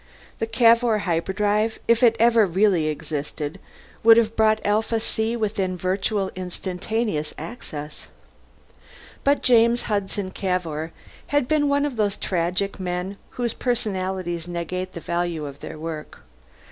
The Cavour Hyperdrive if it ever really existed would have brought Alpha C within virtual instantaneous access. But James Hudson Cavour had been one of those tragic men whose personalities negate the value of their work.